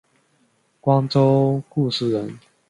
光州固始人。